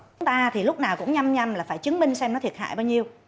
chúng ta thì lúc nào cũng nhầm nhầm là phải chứng minh xem nó thiệt hại bao nhiêu